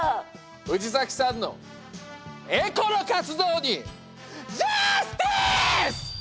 藤崎さんのエコな活動にジャスティス！